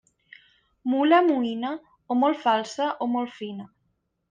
Mula moïna, o molt falsa o molt fina.